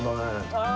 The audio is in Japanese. ああ！